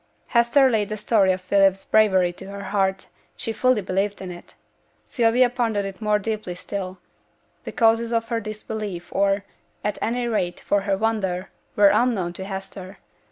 Hester laid the story of Philip's bravery to her heart she fully believed in it. Sylvia pondered it more deeply still; the causes for her disbelief, or, at any rate, for her wonder, were unknown to Hester!